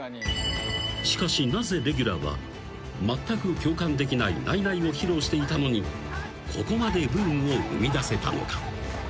［しかしなぜレギュラーはまったく共感できないないないを披露していたのにここまでブームを生みだせたのか？］